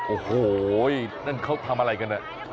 โอ้โหนั่นเขาทำอะไรกัน